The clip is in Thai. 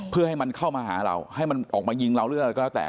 เพื่อให้มันเข้ามาหาเราให้มันออกมายิงเราหรืออะไรก็แล้วแต่